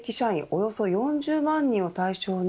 およそ４０万人を対象に